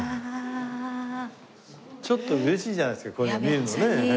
ちょっと嬉しいじゃないですかこういうの見るのね。